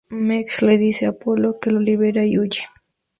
Meg le dice a Apolo que lo libera y huye.